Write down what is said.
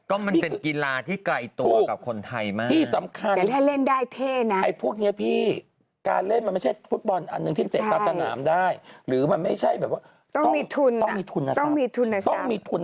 ก็มันเป็นกีฬาที่ไกลตัวกับคนไทยมาก